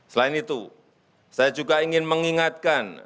selain itu saya juga ingin mengingatkan